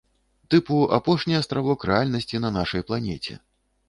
Тыпу апошні астравок рэальнасці на нашай планеце.